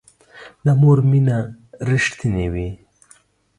د مور مینه رښتینې وي